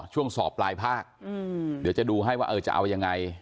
สอบปลายภาคเดี๋ยวจะดูให้ว่าเออจะเอายังไง